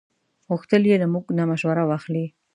غوښتل یې له موږ نه مشوره واخلي.